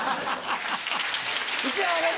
１枚あげて！